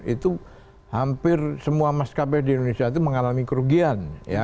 itu hampir semua maskapai di indonesia itu mengalami kerugian